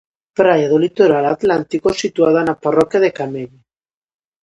Praia do litoral atlántico situada na parroquia de Camelle.